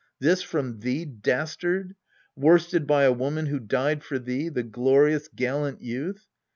This from thee, dastard ! worsted by a woman Who died for thee, the glorious gallant youth